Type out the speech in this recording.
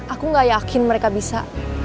aku gak yakin mereka bisa